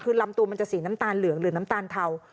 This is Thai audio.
คือลำตัวมันจะสีน้ำตาลเหลืองหรือน้ำตาลเทา